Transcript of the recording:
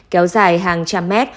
kéo dài hàng trăm mét